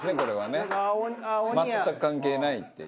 全く関係ないっていう。